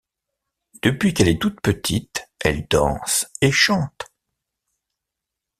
Depuis qu'elle est toute petite elle danse et chante.